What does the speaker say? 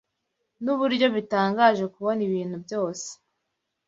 nuburyo bitangaje kubona ibintu byose